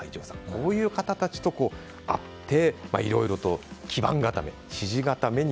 こういう方たちと会っていろいろと基盤固め